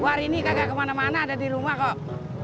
luar ini kagak kemana mana ada di rumah kok